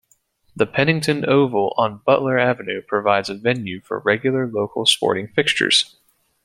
The Pennington Oval on Butler Avenue provides a venue for regular local sporting fixtures.